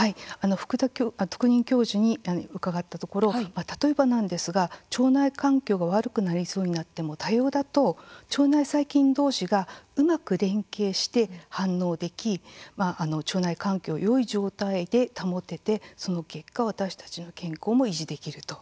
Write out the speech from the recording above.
福田特任教授に伺ったところ例えばなんですが、腸内環境が悪くなりそうになっても多様だと、腸内細菌同士がうまく連携して反応でき腸内環境をよい状態で保ててその結果、私たちの健康も維持できると。